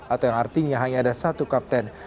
atau yang artinya hanya ada satu kapten